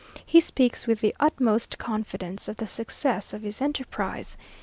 He speaks with the utmost confidence of the success of his enterprise.